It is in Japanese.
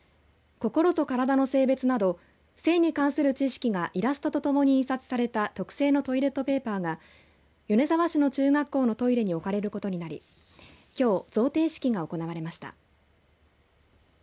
心と体の性別など性に関する知識がイラストとともに印刷された特製のトイレットペーパーが米沢市の中学校のトイレに置かれることになりきょう贈呈式が行われました。